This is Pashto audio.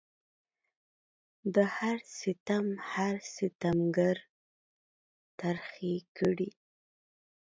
د هر ستم هر ستمګر ترخې کړي